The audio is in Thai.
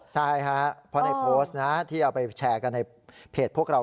ใช่ครับเพราะในโพสต์นะที่เอาไปแชร์กันในเพจพวกเรา